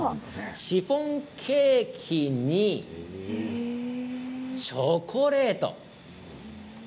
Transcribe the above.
シフォンケーキにチョコレート。